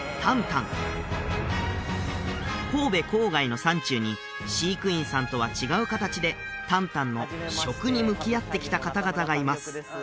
旦神戸郊外の山中に飼育員さんとは違う形で旦旦の食に向き合ってきた方々がいます